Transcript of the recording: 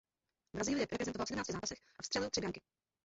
Brazílii reprezentoval v sedmnácti zápasech a vstřelil tři branky.